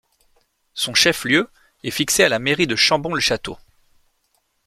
Son chef-lieu est fixé à la mairie de Chambon-le-Château.